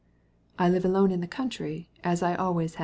"I live alone in the country, as I used to.